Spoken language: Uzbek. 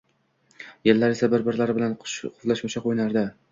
Yillar esa bir-birlari bilan quvlashmachoq o`ynardi